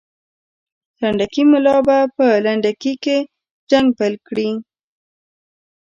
سنډکي ملا به په لنډکي کې جنګ پیل کړي.